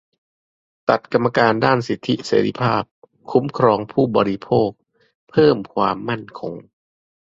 ตัดกรรมการด้านสิทธิเสรีภาพ-คุ้มครองผู้บริโภค เพิ่มความมั่นคง